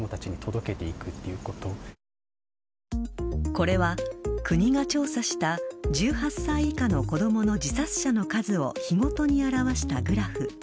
これは国が調査した１８歳以下の子供の自殺者の数を日ごとに表したグラフ。